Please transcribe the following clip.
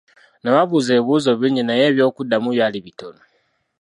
Nababuuza ebibuuzo bingi naye eby'okuddamu byali bitono.